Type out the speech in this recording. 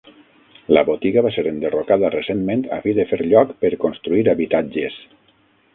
La botiga va ser enderrocada recentment a fi de fer lloc per construir habitatges.